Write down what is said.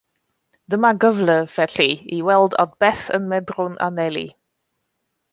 Dyma gyfle, felly, i weld at beth y medrwn anelu.